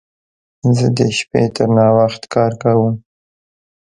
زه د شپې تر ناوخت کار کوم.